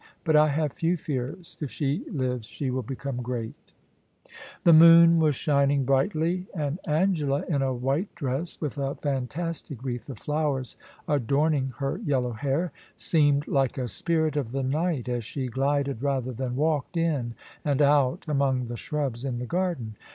But I have few fears; if she lives she will become great' The moon was shining brightly, and Angela, in a white dress with a fantastic wreath of flowers adorning her yellow hair, seemed like a spirit of the night as she glided rather than walked in and out among the shrubs in the garden.